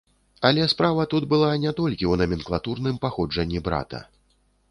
Але справа тут была не толькі ў наменклатурным паходжанні брата.